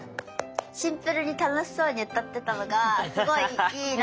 シンプルに楽しそうに歌ってたのがすごいいいなと思ってて。